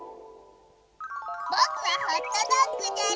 ぼくはホットドッグじゃり。